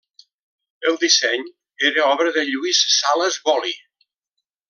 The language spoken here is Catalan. El disseny era obra de Lluís Sales Boli.